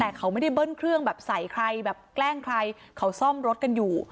แต่เขาไม่ได้เบิ้ลเครื่องแบบใส่ใครแบบแกล้งใครเขาซ่อมรถกันอยู่